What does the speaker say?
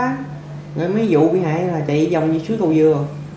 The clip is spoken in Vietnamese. rồi em mới vụ vụ hại là chạy vòng như suối cầu dừa